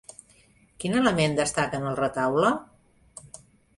Quin element destaca en el retaule?